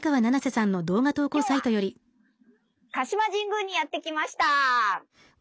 今日は鹿島神宮にやって来ました。